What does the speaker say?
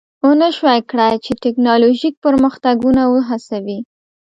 ونشوای کړای چې ټکنالوژیک پرمختګونه وهڅوي